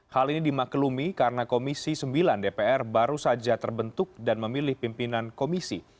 hal ini dimaklumi karena komisi sembilan dpr baru saja terbentuk dan memilih pimpinan komisi